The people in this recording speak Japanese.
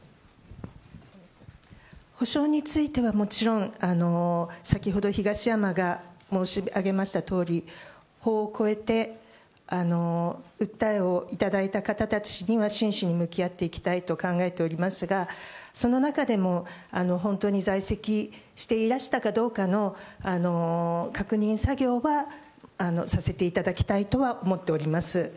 補償についてはもちろん、先ほど東山が申し上げましたとおり、法を超えて、訴えをいただいた方たちには、真摯に向き合っていきたいと考えておりますが、その中でも、本当に在籍していらしたかどうかの確認作業はさせていただきたいとは思っております。